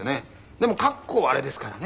でも格好はあれですからね。